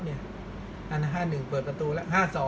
ซี่๕๕เปิดประตูละ๕๒๕๓๕๔๕๕